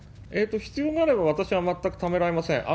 必要があれば私は全くためらいません。